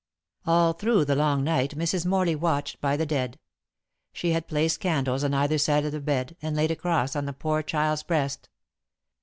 All through the long night Mrs. Morley watched by the dead. She had placed candles on either side of the bed, and laid a cross on the poor child's breast.